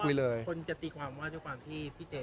คนจะตีความว่าไม่ดูความที่บทล่างแผดร้าย